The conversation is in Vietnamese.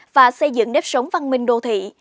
và xây dựng nếp sống văn minh đô thị